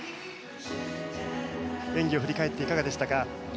演技を振り返っていかがでしたか？